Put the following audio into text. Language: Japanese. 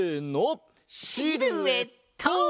シルエット！